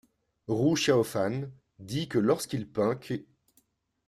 Ru Xiaofan, dit que lorsqu'il peint qu’